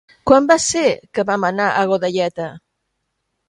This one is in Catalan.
Quan va ser que vam anar a Godelleta?